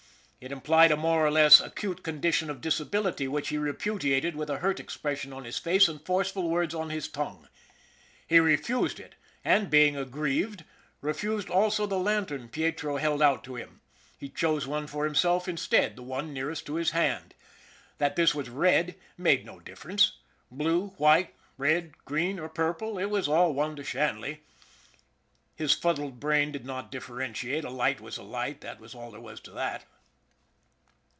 It implied a more or less acute condition of disability, which he repudiated with a hurt expres sion on his face and forceful words on his tongue. He refused it; and being aggrieved, refused also the lan tern Pietro held out to him. He chose one for him self instead the one nearest to his hand. That this was red made no difference. Blue, white, red, green, or purple, it was all one to Shanley. His fuddled brain did not differentiate. A light was a light, that was all there was to that.